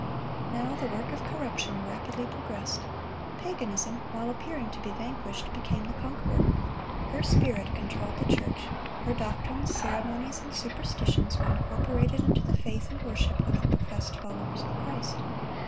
Now, the work of corruption rapidly progressed. Paganism, while appearing to be vanquished, became the conqueror. Her spirit controlled the church. Her doctrines, ceremonies, and superstitions were incorporated into the faith and worship of the professed followers of Christ.